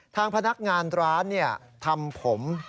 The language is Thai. ทางพนักงานร้านทำผม